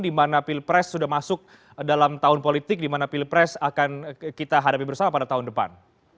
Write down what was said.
di mana pilpres sudah masuk dalam tahun politik di mana pilpres akan kita hadapi bersama pada tahun depan